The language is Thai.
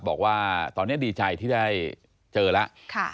บอกว่าตอนนี้ดีใจที่ได้เจอแล้ว